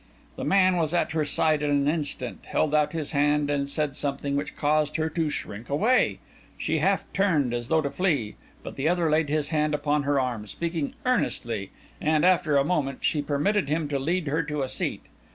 The man was at her side in an instant, held out his hand, and said something, which caused her to shrink away. She half turned, as though to flee, but the other laid his hand upon her arm, speaking earnestly, and, after a moment, she permitted him to lead her to a seat.